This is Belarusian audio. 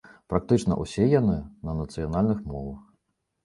Практычна ўсе яны на нацыянальных мовах.